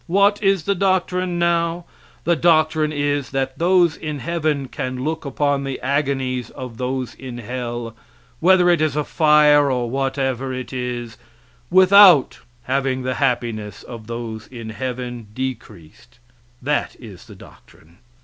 What is the doctrine now? The doctrine is that those in heaven can look upon the agonies of those in hell, whether it is a fire or whatever it is, without having the happiness of those in heaven decreased that is the doctrine.